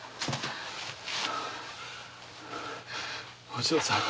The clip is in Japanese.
お嬢さん。